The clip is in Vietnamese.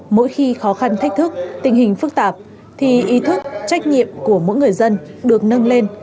mỗi khi khó khăn thách thức tình hình phức tạp thì ý thức trách nhiệm của mỗi người dân được nâng lên